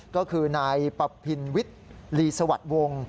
ก็คือนายปะพินวิทย์ลีสวัสดิ์วงศ์